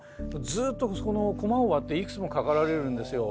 ずっとコマを割っていくつも描かられるんですよ。